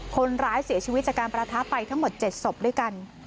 คนร้ายเสียชีวิตจากการประทะไปทั้งหมด๗ศพด้วยกัน